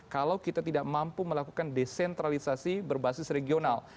kalau kita tidak mampu melakukan desentralisasi berbasis regional